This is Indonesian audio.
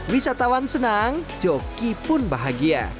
wisatawan senang joki pun bahagia